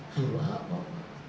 suruh apa pak